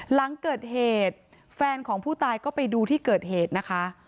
หลังเกิดเหตุแฟนของผู้ตายก็ไปดูที่เกิดเหตุนะคะ